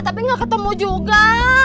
tapi nggak ketemu juga